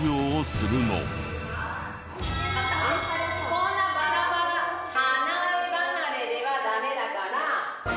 こんなバラバラ離ればなれではダメだから。